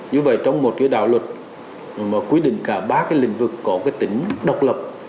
như vậy trong một cái đạo luật quyết định cả ba cái lĩnh vực có cái tính độc lập